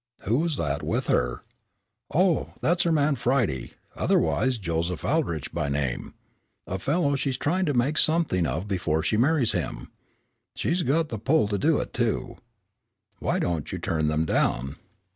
"Who was that with her?" "Oh, that's her man Friday; otherwise Joseph Aldrich by name, a fellow she's trying to make something of before she marries him. She's got the pull to do it, too." "Why don't you turn them down?"